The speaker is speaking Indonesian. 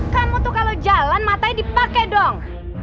kamu tuh kalau jalan matanya dipakai dong